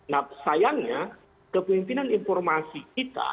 nah sayangnya kepemimpinan informasi kita